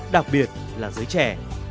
đặc biệt là giới trẻ